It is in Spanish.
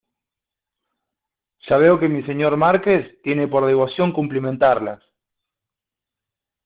ya veo que mi Señor Marqués tiene por devoción cumplimentarlas.